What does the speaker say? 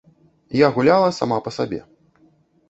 Я гуляла сама па сабе.